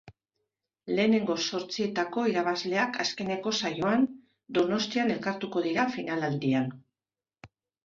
Lehenengo zortzietako irabazleak azkeneko saioan, Donostian elkartuko dira final handian.